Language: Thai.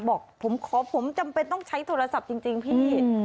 บอกผมขอผมจำเป็นต้องใช้โทรศัพท์จริงพี่